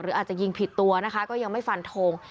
อาจจะยิงผิดตัวนะคะก็ยังไม่ฟันทง